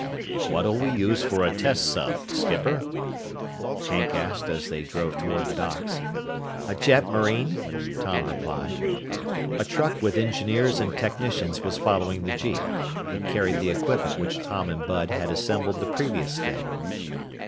"What'll we use for a test sub, skipper?" Hank asked as they drove toward the docks. "A jetmarine," Tom replied. A truck with engineers and technicians was following the jeep. It carried the equipment which Tom and Bud had assembled the previous day.